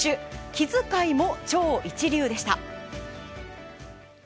気遣いも超一流でした。